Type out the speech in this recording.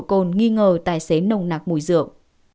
còn nghi ngờ tài xế nồng nạc mùi rượu